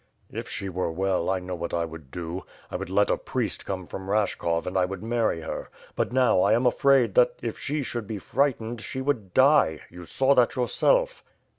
"If she were well, I know what I would do. I would let a priest come from Rashkov and I would marry her; but now I am afraid that, if she should be frightened, she would die. You saw that yourself."